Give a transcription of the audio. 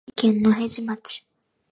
青森県野辺地町